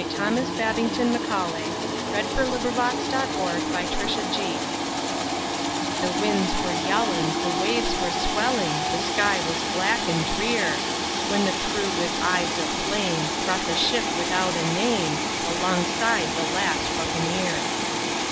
Thomas Babbington Macaulay The Last Buccaneer THE winds were yelling, the waves were swelling, The sky was black and drear, When the crew with eyes of flame brought the ship without a name Alongside the last Buccaneer.